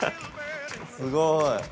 すごい。